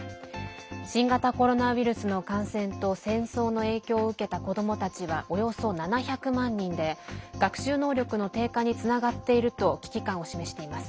新型コロナウイルスの感染と戦争の影響を受けた子どもたちはおよそ７００万人で学習能力の低下につながっていると危機感を示しています。